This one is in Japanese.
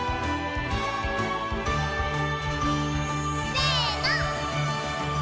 せの！